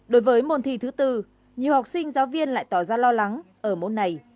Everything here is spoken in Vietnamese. đối với môn thi thứ bốn nhiều học sinh giáo viên lại tỏ ra lo lắng ở môn này